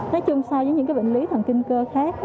nói chung so với những bệnh lý thần kinh cơ khác